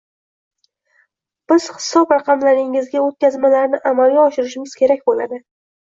Biz hisob raqamlaringizga oʻtkazmalarni amalga oshirishimiz kerak boʻladi.